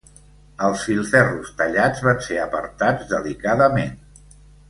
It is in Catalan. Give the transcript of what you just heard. Els filferros tallats van ser apartats delicadament